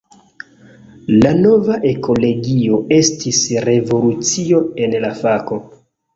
La nova ekologio estis revolucio en la fako.